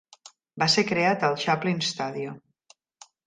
Va ser creat al Chaplin Studio.